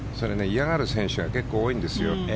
嫌がる選手が結構、多いんですよ。